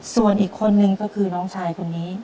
ส่วนอีกคนนึงก็คือน้องชายคนนี้